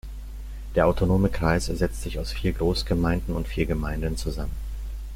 Der Autonome Kreis setzt sich aus vier Großgemeinden und vier Gemeinden zusammen.